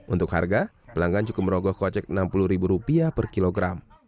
untuk harga pelanggan cukup merogoh kocek rp enam puluh per kilogram